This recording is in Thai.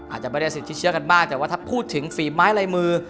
อาจจะไม่ได้สิทธิเชื่อกันมากแต่ว่าถ้าพูดถึงฝีไม้ลายมือ